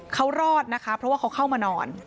เขารอดเพราะเขาเข้ามานอน